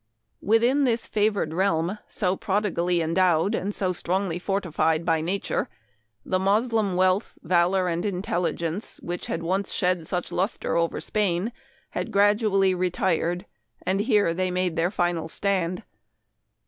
" Within this favored realm, so prodigally en dowed, and so strongly fortified by nature, the Moslem wealth, valor, and intelligence which had once shed such luster over Spain, had gradually retired, and here they made their final stand.